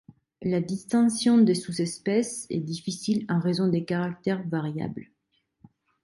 La distinction des sous-espèces est difficile en raison des caractères variables.